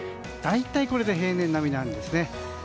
大体これで平年並みなんですね。